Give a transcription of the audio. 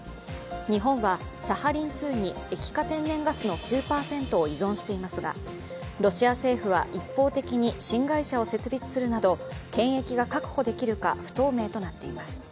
日本はサハリン２に液化天然ガスの９％を依存していますがロシア政府は一方的に新会社を設立するなど権益が確保できるか不透明となっています。